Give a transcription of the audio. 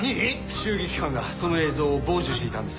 襲撃犯がその映像を傍受していたんです。